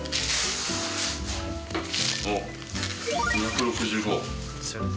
あっ、２６５。